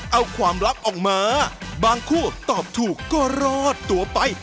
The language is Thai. เอาความลับออกมาบางคู่ตอบถูกก็รอดตัวไป